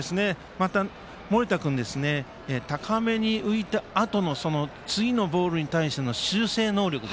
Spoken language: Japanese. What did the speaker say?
また、盛田君は高めに浮いたあとの次のボールに対しての修正能力。